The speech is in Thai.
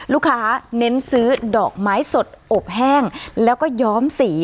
เน้นซื้อดอกไม้สดอบแห้งแล้วก็ย้อมสี